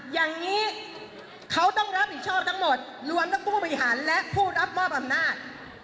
อย่างนี้เขาต้องรับผิดชอบทั้งหมดรวมทั้งผู้บริหารและผู้รับมอบอำนาจ